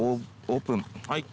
オープン。